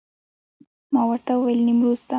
ما ورته وویل نیمروز ته.